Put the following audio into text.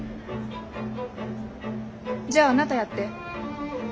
じゃああなたやって応援演説。